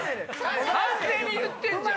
完全に言ってんじゃん！